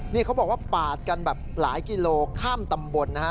นี่เขาบอกว่าปาดกันแบบหลายกิโลข้ามตำบลนะฮะ